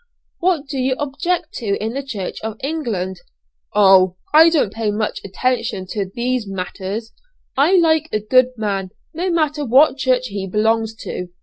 "What do you object to in the Church of England?" "Oh! I don't pay much attention to these matters. I like a good man, no matter what church he belongs to.